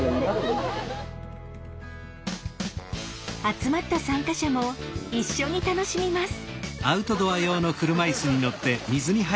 集まった参加者も一緒に楽しみます。